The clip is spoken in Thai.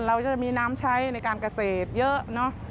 เราจะมีน้ำใช้ในการเกษตรเยอะเนอะ